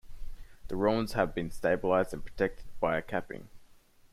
The ruins have been stabilised and protected by a capping.